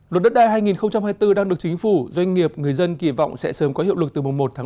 luật đất đai hai nghìn hai mươi bốn đang được chính phủ doanh nghiệp người dân kỳ vọng sẽ sớm có hiệu lực từ một bảy hai nghìn hai mươi bốn